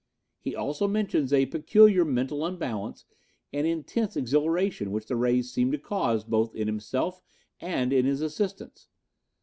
He also mentions a peculiar mental unbalance and intense exhilaration which the rays seemed to cause both in himself and in his assistants.